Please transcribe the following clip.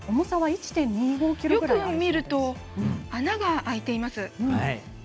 よく見ると穴が開いています。